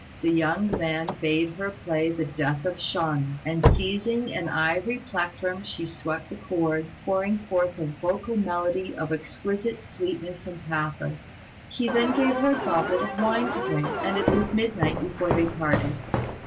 The young man bade her play the Death of Shun; and seizing an ivory plectrum she swept the chords, pouring forth a vocal melody of exquisite sweetness and pathos. He then gave her a goblet of wine to drink, and it was midnight before they parted.